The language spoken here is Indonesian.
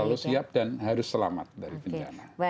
selalu siap dan harus selamat dari bencana